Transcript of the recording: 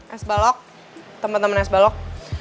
es balok temen temen es balok